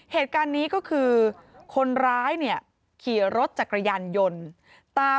เหตุการณ์นี้ก็คือคนร้ายเนี่ยขี่รถจักรยานยนต์ตาม